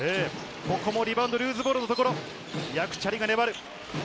ここもリバウンド、ルーズボールのところ、ヤクチャリが粘る。